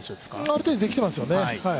ある程度できてますよね。